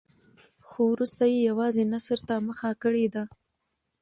خو وروسته یې یوازې نثر ته مخه کړې ده.